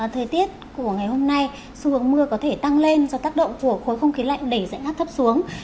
thời tiết của ngày hôm nay xu hướng mưa có thể tăng lên do tác động của khối không khí lạnh đẩy dạnh áp thấp xuống